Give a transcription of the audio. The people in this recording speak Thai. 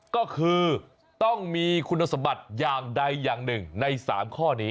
ก็คือต้องมีคุณสมบัติอย่างใดอย่างหนึ่งใน๓ข้อนี้